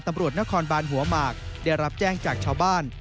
ตำรวจนครบานหัวหมากได้รับแจ้งจากชาวบ้าน